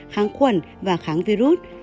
kháng khuẩn và kháng virus